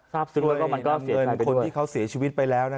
ทราบซื้อแล้วก็เสียชีวิตไปด้วย